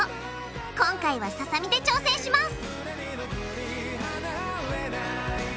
今回はささみで挑戦します！